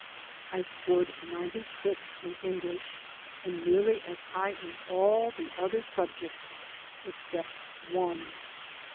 I scored ninety six in English, and nearly as high in all the other subjects except one.